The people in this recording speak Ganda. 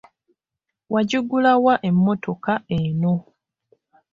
Wagigula wa emmotoka eno?